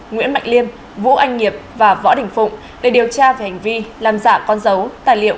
nguyễn mạnh liêm vũ anh nghiệp và võ đình phụng để điều tra về hành vi làm giả con dấu tài liệu